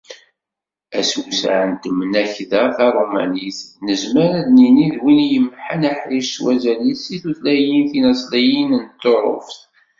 Asewseε n Temnekda Tarumanit, nezmer ad d-nini d win yemḥan aḥric s wazal-is seg tutlayin tinaṣliyin n Tuṛuft.